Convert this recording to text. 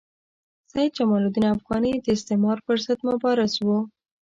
سید جمال الدین افغاني د استعمار پر ضد مبارز وو.